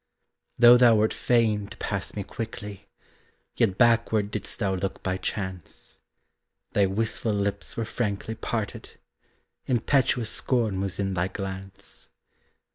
Though thou wert fain to pass me quickly, Yet backward didst thou look by chance; Thy wistful lips were frankly parted, Impetuous scorn was in thy glance.